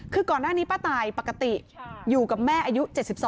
คือก่อนหน้านี้ป้าตายปกติอยู่กับแม่อายุ๗๒